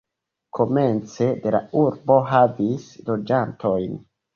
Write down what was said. Komence de la urbo havis loĝantojn.